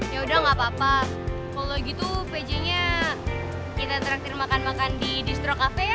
yaudah gapapa kalau gitu pj nya kita traktir makan makan di distro cafe ya